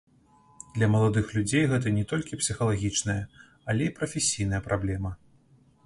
Для маладых людзей гэта не толькі псіхалагічная, але і прафесійная праблема.